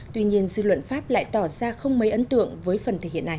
tuy nhiên dư luận pháp lại tỏ ra không mấy ấn tượng với phần thể hiện này